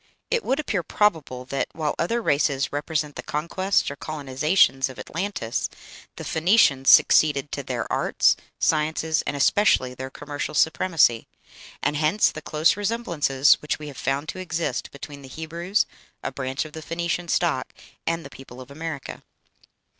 It would appear probable that, while other races represent the conquests or colonizations of Atlantis, the Phoenicians succeeded to their arts, sciences, and especially their commercial supremacy; and hence the close resemblances which we have found to exist between the Hebrews, a branch of the Phoenician stock, and the people of America.